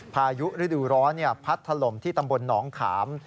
พายุฤดูร้อนพัดถล่มที่ตำบลหนองขาม